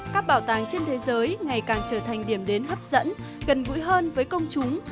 các bảo tàng trên thế giới ngày càng trở thành điểm đến hấp dẫn gần gũi hơn với công chúng